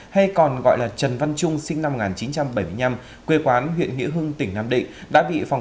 hay còn gọi là trần văn trung sinh năm một nghìn chín trăm bảy mươi năm quê quán huyện nghĩa hưng tỉnh nam định đã bị phòng